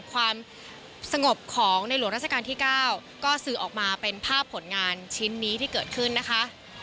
ความสงบของในหลวงราชการที่๙ก็สื่อออกมาเป็นภาพผลงานชิ้นนี้ที่เกิดขึ้นนะคะ